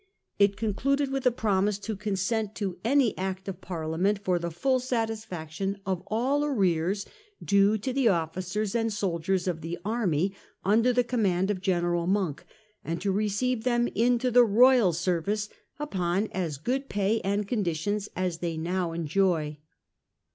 It concluded with a promise to consent to any e army ' Act of Parliament ' for the full satisfaction of all arrears due to the officers and soldiers of the army under the command of General Monk,' and to receive them into the royal service ' upon as good pay and conditions as they now enjoy.